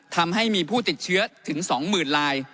ทำให้มีผู้ติดเชื้อถึง๒๐๐๐ลาย